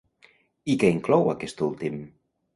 I què inclou aquest últim?